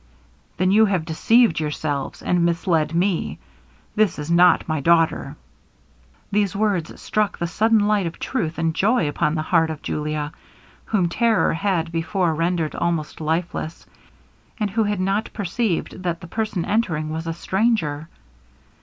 'Then you have deceived yourselves, and misled me; this is not my daughter.' These words struck the sudden light of truth and joy upon the heart of Julia, whom terror had before rendered almost lifeless; and who had not perceived that the person entering was a stranger.